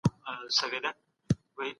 پوهان بايد له کومو شيانو ډډه وکړي؟